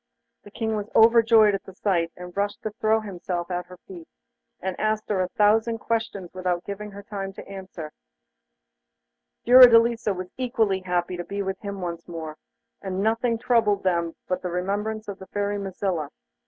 The King was overjoyed at the sight, and rushed to throw himself at her feet, and asked her a thousand questions without giving her time to answer one. Fiordelisa was equally happy to be with him once more, and nothing troubled them but the remembrance of the Fairy Mazilla.